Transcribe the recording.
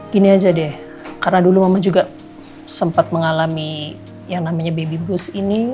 gini aja deh karena dulu mama juga sempat mengalami yang namanya baby boost ini